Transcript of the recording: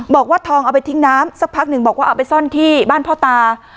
บอกว่าทองเอาไปทิ้งน้ำสักพักหนึ่งบอกว่าเอาไปซ่อนที่บ้านพ่อตา